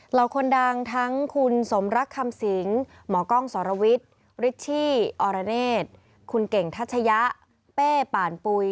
เหล่าคนดังทั้งคุณสมรักคำสิงหมอกล้องสรวิทย์ริชชี่อรเนศคุณเก่งทัชยะเป้ป่านปุ๋ย